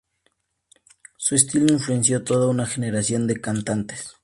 Su estilo influenció toda una generación de cantantes.